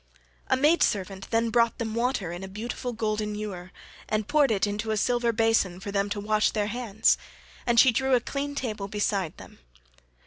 A maid servant then brought them water in a beautiful golden ewer and poured it into a silver basin for them to wash their hands, and she drew a clean table beside them.